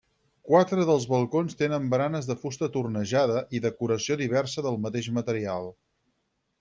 Quatre dels balcons tenen baranes de fusta tornejada i decoració diversa del mateix material.